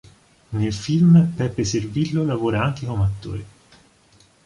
Nel film Peppe Servillo lavora anche come attore.